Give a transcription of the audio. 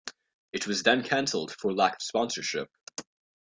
It was then cancelled for lack of sponsorship.